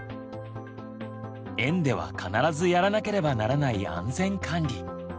園では必ずやらなければならない安全管理。